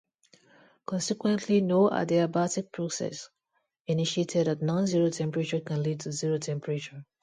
Consequently no adiabatic process initiated at nonzero temperature can lead to zero temperature.